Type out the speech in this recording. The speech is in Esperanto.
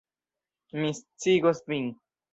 Mi sciigos vin.